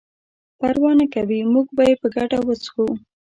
پروا نه کوي موږ به یې په ګډه وڅښو.